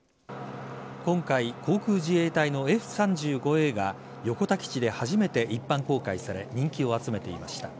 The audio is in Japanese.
今回、航空自衛隊のＦ‐３５Ａが横田基地で初めて一般公開され人気を集めていました。